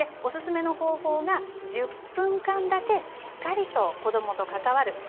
お勧めの方法が、１０分間だけしっかりと子どもと関わる。